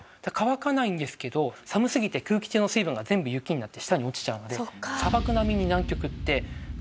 渇かないんですけど寒すぎて空気中の水分が全部雪になって下に落ちちゃうので砂漠並みに南極って乾燥してるんですよ。